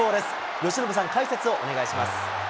由伸さん解説お願いします。